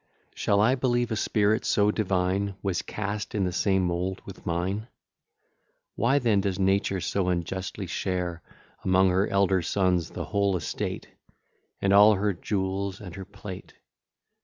XI Shall I believe a spirit so divine Was cast in the same mould with mine? Why then does Nature so unjustly share Among her elder sons the whole estate, And all her jewels and her plate?